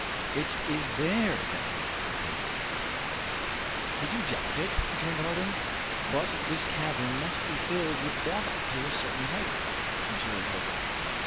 "It is there, then?" said Pencroft. "Did you doubt it?" returned Harding. "But this cavern must be filled with water to a certain height," observed Herbert.